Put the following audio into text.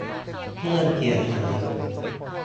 เรื่องเสียหาย